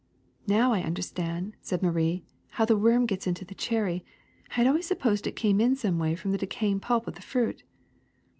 ^^Now I understand," said Marie, '^how the worm gets into the cherry. I had always supposed it came in some way from the decaying pulp of the fruit.